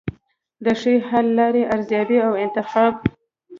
د ښې حل لارې ارزیابي او انتخاب.